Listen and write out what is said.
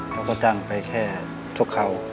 เราก็จ้างไปแค่ชกเขา